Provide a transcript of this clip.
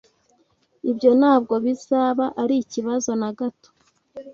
Ibyo ntabwo bizaba ikibazo na gato.